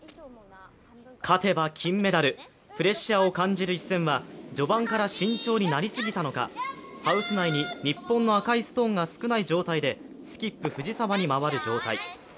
勝てば金メダル、プレッシャーを感じる一戦は序盤から慎重になりすぎたのか、ハウス内に日本の赤いストーンが少ない状態でスキップ・藤澤に回る状態。